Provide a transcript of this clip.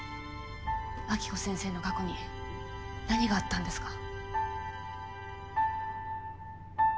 暁子先生の過去に何があったんですか？